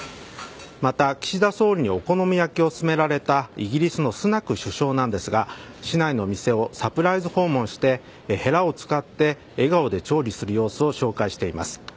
また岸田総理にお好み焼きを勧められたイギリスのスナク首相ですが市内の店をサプライズ訪問してヘラを使って笑顔で調理する様子を紹介しています。